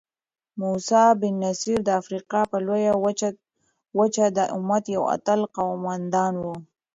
موسی بن نصیر د افریقا پر لویه وچه د امت یو اتل قوماندان وو.